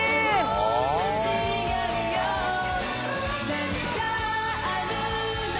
「何かあるのなら」